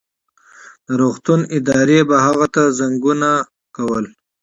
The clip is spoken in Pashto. د روغتون ادارې به هغه ته زنګونه کول.